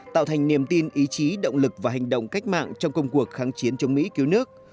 tạo thành niềm tin ý chí động lực và hành động cách mạng trong công cuộc kháng chiến chống mỹ cứu nước